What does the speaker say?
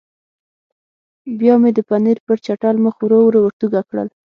بیا مې د پنیر پر چټل مخ ورو ورو ورتوږه کړل.